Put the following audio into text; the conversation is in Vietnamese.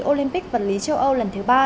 olympic vật lý châu âu lần thứ ba